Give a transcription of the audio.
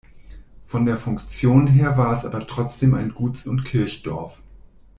Von der Funktion her war es aber trotzdem ein Guts- und Kirchdorf.